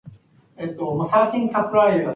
The celebration was for them.